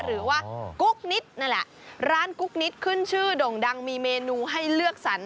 หรือว่ากุ๊กนิดนั่นแหละร้านกุ๊กนิดขึ้นชื่อด่งดังมีเมนูให้เลือกสรร